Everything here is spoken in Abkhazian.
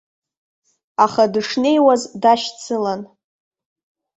Аха дышнеиуаз дашьцылан.